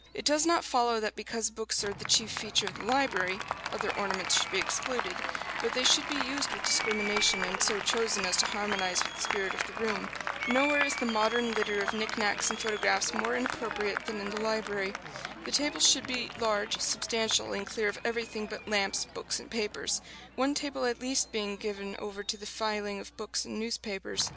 It does not follow that because books are the chief feature of the library, other ornaments should be excluded; but they should be used with discrimination, and so chosen as to harmonize with the spirit of the room. Nowhere is the modern litter of knick knacks and photographs more inappropriate than in the library. The tables should be large, substantial, and clear of everything but lamps, books and papers one table at least being given over to the filing of books and newspapers.